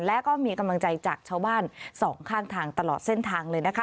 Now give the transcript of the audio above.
และก็มีกำลังใจจากชาวบ้านสองข้างทางตลอดเส้นทางเลยนะคะ